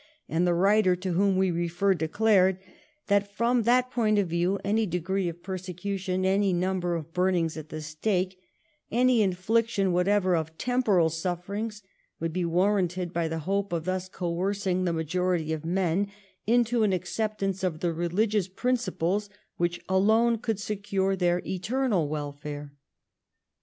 and the writer to whom we refer declared that from that point of view any degree of persecution, any number of burnings at the stake, any infliction whatever of temporal sufferings would be warranted by the hope of thus coercing the majority of men into an acceptance of the religious principles which alone could secure their eternal welfare.